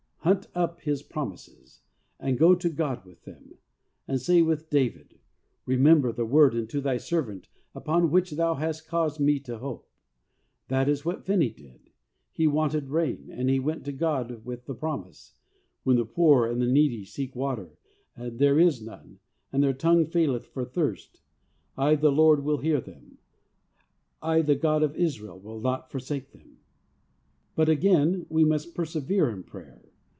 Hunt up His promises, and go to God with them, and say with David, ' Remember the word unto Thy servant upon which Thou hast caused me to hope.' That is what Finney did. He wanted rain, and he went to God with the promise, ' When the poor and needy seek water, and there is none, and their tongue faileth for thirst, I the Lord will hear them, I the God of Israel will not forsake them.' But again, we must persevere in prayer.